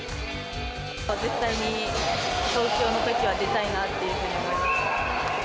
絶対に東京のときは出たいなっていうふうに思いました。